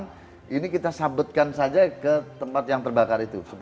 beri jarak aman ini kita sabutkan saja ke tempat yang terbakar itu